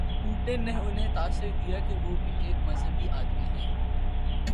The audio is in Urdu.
پیوٹن نے انہیں تاثر دیا کہ وہ بھی ایک مذہبی آدمی ہیں۔